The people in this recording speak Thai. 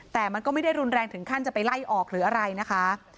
แต่มันก็ไม่ได้รุนแรงถึงขั้นจะไปไล่ออกหรืออะไรนะคะ